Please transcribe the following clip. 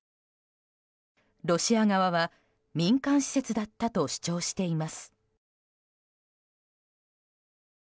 ロシア側は、民間施設だったと主張しています。